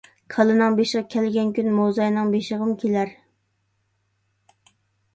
كالىنىڭ بېشىغا كەلگەن كۈن مۇزاينىڭ بېشىغىمۇ كېلەر.